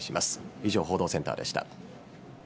以上、報道センターでした。